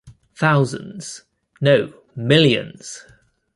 Thousands, no, millions!